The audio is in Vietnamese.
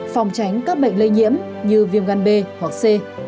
phòng tránh các bệnh lây nhiễm như viêm gan b hoặc c